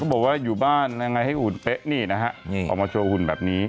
คุณบอกว่าอยู่บ้านต่อมาฉันแบบนี้